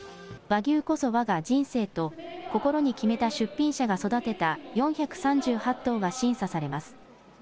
和牛こそわが人生と、心に決めた出品者が育てた４３８頭が審査されます。